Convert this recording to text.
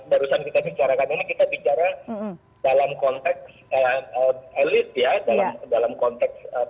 barusan kita bicarakan ini kita bicara dalam konteks elit ya dalam konteks